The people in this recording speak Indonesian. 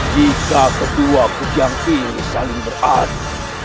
jika kedua tujang ini saling beradu